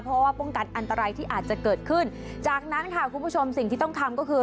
เพราะว่าป้องกันอันตรายที่อาจจะเกิดขึ้นจากนั้นค่ะคุณผู้ชมสิ่งที่ต้องทำก็คือ